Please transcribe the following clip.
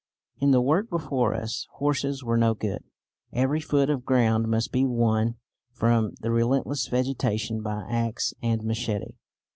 In the work before us horses were no good; every foot of ground must be won from the relentless vegetation by axe and machete.